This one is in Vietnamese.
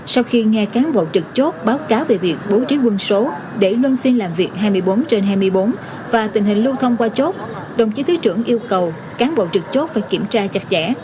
sau khi nghe cán bộ trực chốt báo cáo về việc bố trí quân số để luân phiên làm việc hai mươi bốn trên hai mươi bốn và tình hình lưu thông qua chốt đồng chí thứ trưởng yêu cầu cán bộ trực chốt phải kiểm tra chặt chẽ